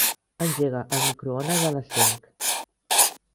Engega el microones a les cinc.